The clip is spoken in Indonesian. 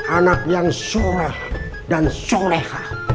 anak yang sholat dan sholat